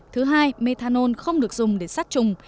thứ hai methanol không được dùng để sát trùng